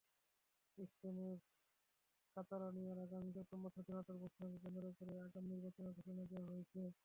স্পেনের কাতালোনিয়ায় আগামী সেপ্টেম্বরে স্বাধীনতার প্রশ্নকে কেন্দ্র করে আগাম নির্বাচনের ঘোষণা দেওয়া হয়েছে।